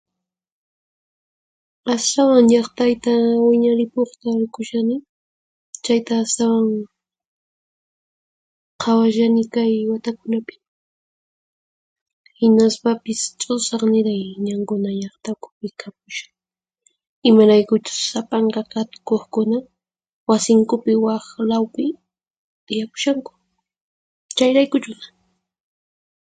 Astawan llaqtayta wiñaripuqta rikushani, chayta astawan qhawashani kay watakunapi. Hinaspapis ch'usaq niray ñankuna llaqta ukhupi kapushan, imaraykuchus sapanka qhatukuqkuna wasinkupi waq lawpi tiyapushanku, chayraykuchuna.